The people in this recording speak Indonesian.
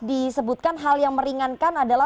disebutkan hal yang meringankan adalah